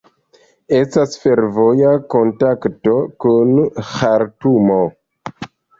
Estas fervoja kontakto kun Ĥartumo.